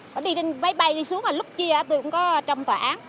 cô đi trên máy bay đi xuống lúc chia tôi cũng có trong tòa án